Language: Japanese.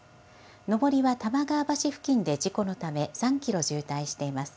上りはたまがわ橋付近で事故のため３キロ渋滞しています。